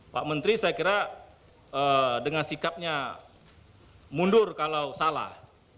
pak menteri saya kira dengan sikapnya mundur kalau salah